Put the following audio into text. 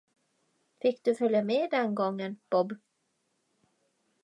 Fick du följa med den gången, Bob?